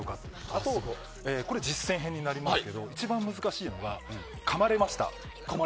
あと、これは実践編になりますが一番難しいのがかまれました。